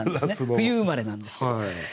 冬生まれなんですけど。